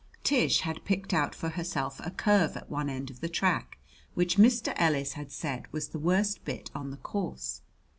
Tish had picked out for herself a curve at one end of the track which Mr. Ellis had said was the worst bit on the course.